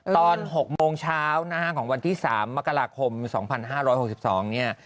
ตอน๖โมงเช้านะฮะของวันที่๓มกราคม๒๕๖๒เนี่ย